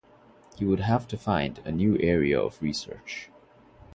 He would have to find a new area of research.